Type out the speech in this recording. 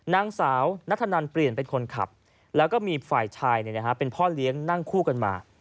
นางสาวนัทธนันเปลี่ยนเป็นคนขับแล้วก็มีฝ่ายชายเป็นพ่อเลี้ยงนั่งคู่กันมา